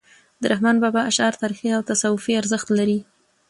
د رحمان بابا اشعار تاریخي او تصوفي ارزښت لري .